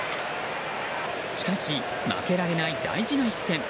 しかし、負けられない大事な一戦。